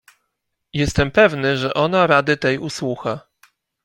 "Jestem pewny, że ona rady tej usłucha."